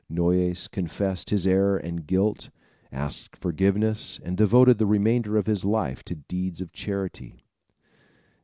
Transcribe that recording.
Noyes confessed his error and guilt, asked forgiveness and devoted the remainder of his life to deeds of charity.